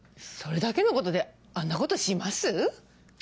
それだけのことであんなことします？